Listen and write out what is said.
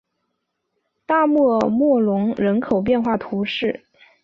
大穆尔默隆人口变化图示